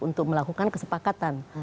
untuk melakukan kesepakatan